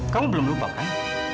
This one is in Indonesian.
kamu belum lupa kan